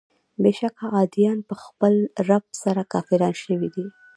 بېشکه عادیان په خپل رب سره کافران شوي دي.